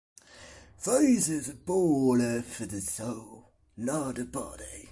Faith is born of the soul, not the body.